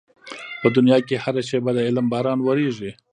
په دنيا کې هره شېبه د علم باران ورېږي.